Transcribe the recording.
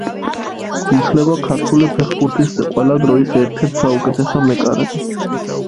ითვლება ქართული ფეხბურთის ყველა დროის ერთ-ერთ საუკეთესო მეკარედ.